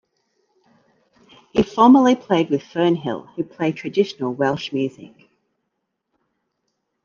He formerly played with Fernhill, who play traditional Welsh music.